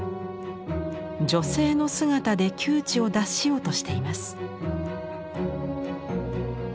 女性の姿で窮地を脱しようとしています。